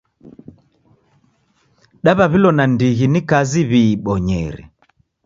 Daw'aw'ilo nandighi ni kazi w'iibonyere.